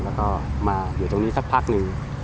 แล้วก็มาอยู่ตรงนี้สักพักหนึ่ง